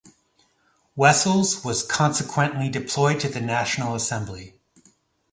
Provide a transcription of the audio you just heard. Wessels was consequently deployed to the National Assembly.